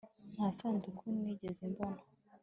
Nta sanduku nigeze mbona